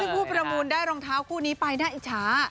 ผู้ประมูลได้รองเท้าคู่นี้ไปน่าอิจฉา